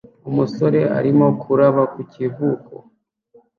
Umusore arimo kuroba ku kivuko